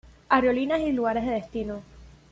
Aerolíneas y lugares de destino